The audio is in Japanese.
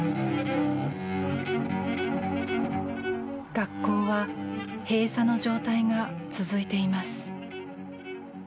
学校は閉鎖の状態が続いています。